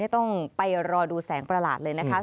ต้องไปรอดูแสงประหลาดเลยนะคะ